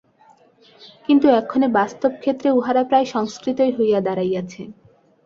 কিন্তু এক্ষণে বাস্তব ক্ষেত্রে উহারা প্রায় সংস্কৃতই হইয়া দাঁড়াইয়াছে।